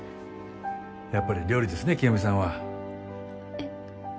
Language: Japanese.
やっぱり料理ですね清美さんは。えっ？